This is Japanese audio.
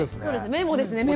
メモですねメモ。